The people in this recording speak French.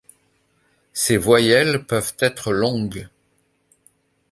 Ces voyelles peuvent être longues.